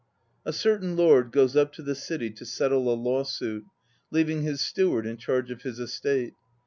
A CERTAIN lord goes up to the city to settle a lawsuit, leaving his steward in charge of his estate.